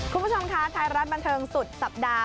คุณผู้ชมคะไทยรัฐบันเทิงสุดสัปดาห